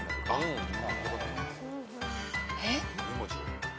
えっ？